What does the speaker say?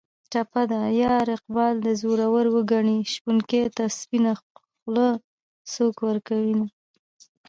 ټپه ده: یاره اقبال دې زورور و ګني شپونکي ته سپینه خوله څوک ورکوینه